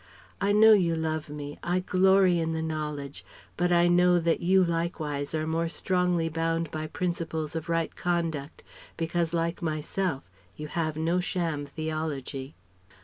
I know you love me, I glory in the knowledge, but I know that you likewise are more strongly bound by principles of right conduct because like myself you have no sham theology....